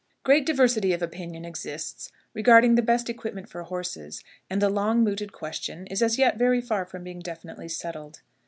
Great diversity of opinion exists regarding the best equipment for horses, and the long mooted question is as yet very far from being definitely settled.